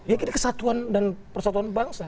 ya kita kesatuan dan persatuan bangsa